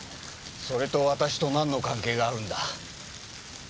それと私となんの関係があるんだ？